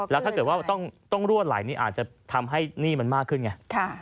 แล้วถ้าเกิดว่าต้องรั่วไหลนี่อาจจะทำให้หนี้มันมากขึ้นไง